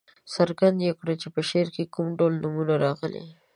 څرګنده دې کړي چې په شعر کې کوم ډول نومونه راغلي.